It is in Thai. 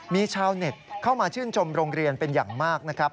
มีชาวเน็ตเข้ามาชื่นชมโรงเรียนเป็นอย่างมากนะครับ